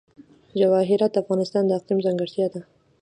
جواهرات د افغانستان د اقلیم ځانګړتیا ده.